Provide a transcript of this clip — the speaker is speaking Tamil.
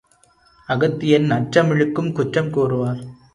அகத்தியன் நற்றமிழுக்கும் குற்றம் கூறுவார்.